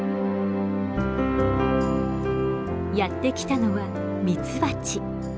やって来たのはミツバチ。